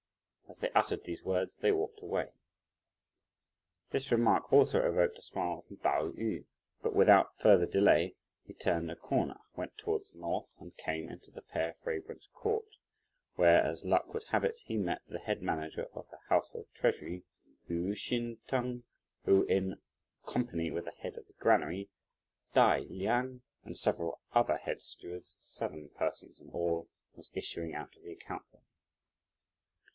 As they uttered these words, they walked away. This remark also evoked a smile from Pao yü, but without further delay he turned a corner, went towards the north, and came into the Pear Fragrance Court, where, as luck would have it, he met the head manager of the Household Treasury, Wu Hsin teng, who, in company with the head of the granary, Tai Liang, and several other head stewards, seven persons in all, was issuing out of the Account Room.